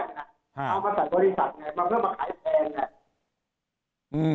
เอามาจากบริษัทเพื่อมาขายแทน